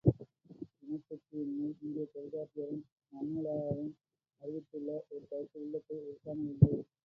இனச் சுட்டு இன்மை இங்கே தொல்காப்பியரும் நன்னூலாரும் அறிவித்துள்ள ஒரு கருத்து உள்ளத்தை உறுத்தாமல் இல்லை.